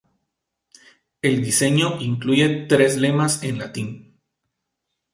El diseño incluye tres lemas en latín.